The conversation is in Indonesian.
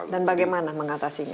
dan bagaimana mengatasinya